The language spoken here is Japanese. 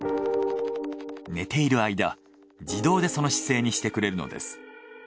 寝ている間自動でその姿勢にしてくれるのです。